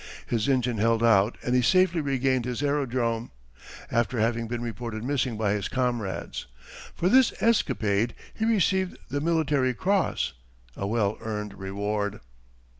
His engine held out and he safely regained his aerodrome, after having been reported missing by his comrades. For this escapade he received the Military Cross a well earned reward.